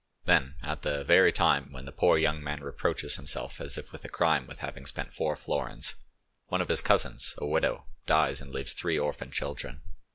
Then, at the very time when the poor young man reproaches himself as if with a crime with having spent four florins, one of his cousins, a widow, dies and leaves three orphan children.